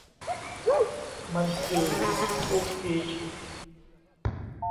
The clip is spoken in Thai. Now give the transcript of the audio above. มันคือลูกพีช